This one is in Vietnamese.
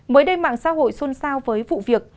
mới đây mạng xã hội xôn xao với vụ việc